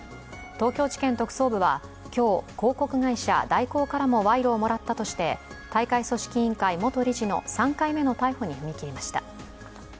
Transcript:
東京地検特捜部は今日広告会社・大広からも賄賂をもらったとして大会組織委員会元理事の３回目の逮捕に踏み切りました。